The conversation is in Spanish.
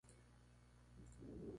Tiene numerosas lecturas distintivas.